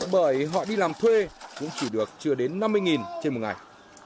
bởi họ đi làm thuê cũng chỉ được chưa đến năm mươi trên một ngày